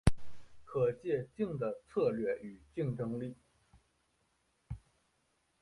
可借镜的策略与竞争力